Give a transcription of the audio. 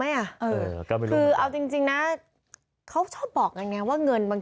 ไหมอ่ะเออก็ไม่รู้เอาจริงนะเขาชอบบอกอย่างนี้ว่าเงินบาง